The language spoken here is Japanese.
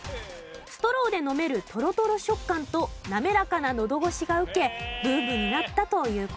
ストローで飲めるトロトロ食感と滑らかなのどごしが受けブームになったという事です。